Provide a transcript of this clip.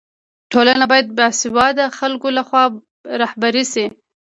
ټولنه باید د باسواده خلکو لخوا رهبري سي.